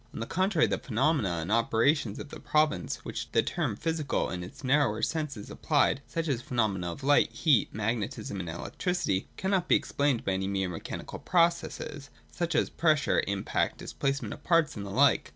On the contrary the phenomena and operations of the province to which the term ' physical ' in its narrower sense is applied, such as the phenomena of light, heat, mag netism, and electricity, cannot be explained by any mere mechanical processes, such as pressure, impact, displace ment of parts, and the like.